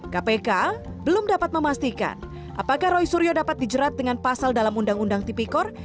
kpk belum dapat memastikan apakah roy suryo dapat dijerat dengan pasal dalam undang undang tipikor